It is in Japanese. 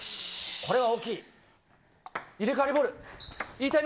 これは大きい。